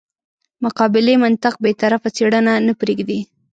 مقابلې منطق بې طرفه څېړنه نه پرېږدي.